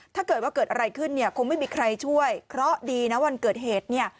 ถ้าเกิดว่าเกิดอะไรขึ้นเนี่ยคงไม่มีใครช่วยเพราะดีนะวันเกิดเหตุเนี่ย